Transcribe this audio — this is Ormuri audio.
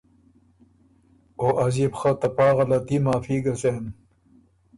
او از يې بو خه ته پا غلطي معافی ګه زېم۔